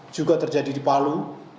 juga terjadi di palu